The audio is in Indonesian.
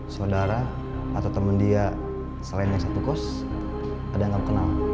saudara atau temen dia selain yang saya tukus ada yang kamu kenal